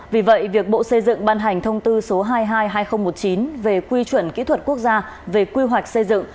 vì vậy việc bộ xây dựng ban hành thông tư số hai mươi hai hai nghìn một mươi chín về quy chuẩn kỹ thuật quốc gia về quy hoạch xây dựng